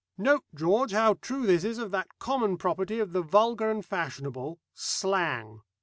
"Note, George, how true this is of that common property of the vulgar and fashionable slang.